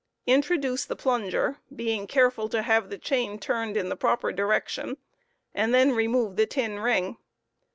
Introduce the plunger, being careftd to have the chain turned in the proper direction, and then remove the tin ring.